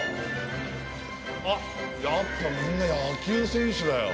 あっやっぱみんな野球選手だよ。